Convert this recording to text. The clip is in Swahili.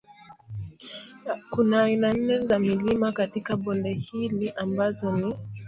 Kuna aina nne za milima katika bonde hili ambazo ni